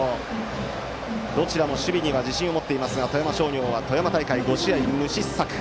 どちらも守備には自信を持っていますが富山商業は富山大会５試合無失策。